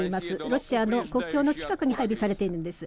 ロシアの国境の近くに配備されているのです。